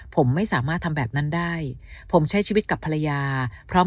ผมไม่สามารถทำแบบนั้นได้ผมใช้ชีวิตกับภรรยาพร้อม